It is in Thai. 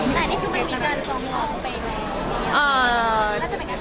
แต่นี่คือมันมีการส่งฟองไปไหม